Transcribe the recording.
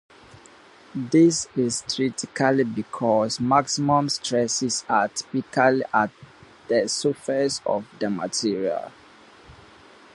This is critical because maximum stresses are typically at the surface of the material.